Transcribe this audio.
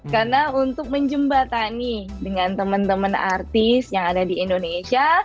karena untuk menjembatani dengan teman teman artis yang ada di indonesia